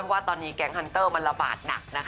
เพราะว่าตอนนี้แก๊งฮันเตอร์มันระบาดหนักนะคะ